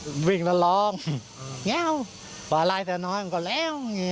อันนี้ผู้หญิงบอกว่าช่วยด้วยหนูไม่ได้เป็นอะไรกันเขาจะปั้มหนูอะไรอย่างนี้